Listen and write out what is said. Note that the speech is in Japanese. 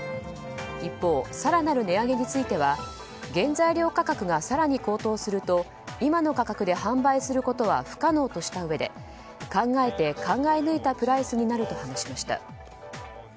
一方、更なる値上げについては原材料価格が更に高騰すると今の価格で販売することは不可能としたうえで考えて考え抜いたプライスになると話しました。